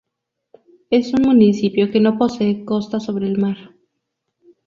Es un municipio que no posee costa sobre el mar.